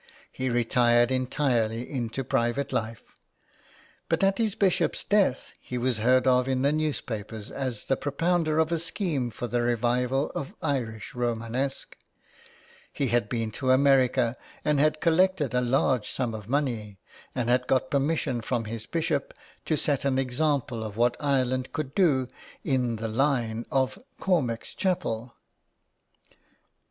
12 IN THE CLAY. He retired entirely into private life, but at his Bishop's death he was heard of in the newspapers as the propounder of a scheme for the revival of Irish Romanesque. He had been to America, and had collected a large sum of money, and had got permis sion from his Bishop to set an example of what Ireland could do " in the line" of Cormac's Chapel.